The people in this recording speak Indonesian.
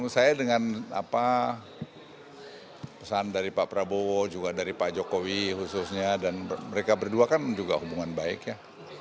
saya dengan pesan dari pak prabowo juga dari pak jokowi khususnya dan mereka berdua kan juga hubungan baik ya